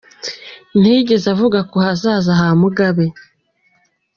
Ntiyigeze avuga ku hazaza ha Mugabe.